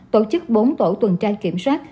tổ chức bốn tổ tuần trai kiểm soát